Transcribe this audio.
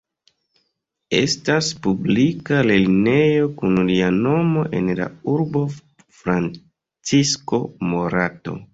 Estas publika lernejo kun lia nomo en la urbo Francisco Morato.